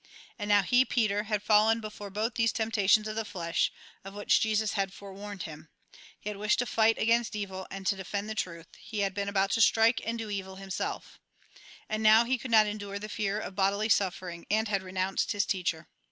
And now he, Peter, had fallen before both these temptations of the flesh, of which Jesus had forewarned him ; he had wished to fight against evil, and to defend the truth, he had been about to strike and to do evil himself ; and now he could not endure the fear of bodily suffering, and had renounced his teacher.